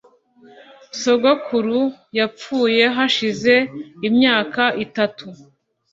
Sogokuru yapfuye hashize imyaka itatu.